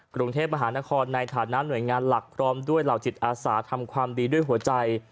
กรุงเทพมหานครในฐานะหน่วยงานหลักพร้อมด้วยเหล่าจิตอาสาทำความดีด้วยหัวใจ